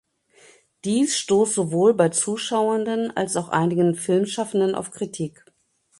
Dies stoß sowohl bei Zuschauenden als auch einigen Filmschaffenden auf Kritik.